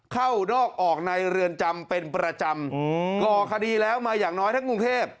เข้านอกออกในเรือนจำเป็นประจำก่อคดีแล้วมาอย่างน้อยทั้งกรุงเทพ